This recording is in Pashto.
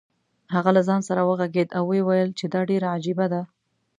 هغه له ځان سره وغږېد او ویې ویل چې دا ډېره عجیبه ده.